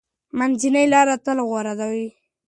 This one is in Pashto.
منځنۍ لار تل غوره وي.